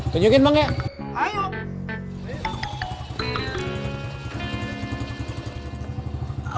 kunyukin bang ya